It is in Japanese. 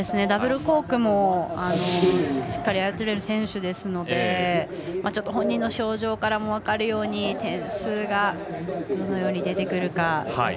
ダブルコークもしっかり操れる選手ですので本人の表情からも分かるように点数がどのように出てくるか。